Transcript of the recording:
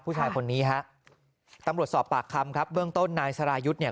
ผู้ชายคนนี้ฮะตำรวจสอบปากคำครับเบื้องต้นนายสรายุทธ์เนี่ย